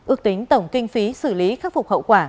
ước tính tổng kinh phí xử lý khắc phục hậu quả